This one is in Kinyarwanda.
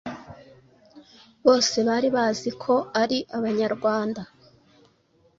Bose kandi bari bazi ko ari Abanyarwanda